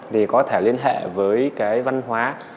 thì có thể liên hệ với cái văn hóa